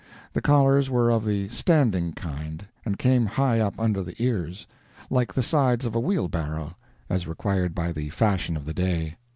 The collars were of the standing kind, and came high up under the ears, like the sides of a wheelbarrow, as required by the fashion of the day.